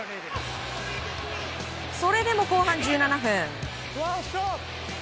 それでも後半１７分。